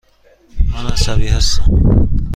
من عصبی هستم.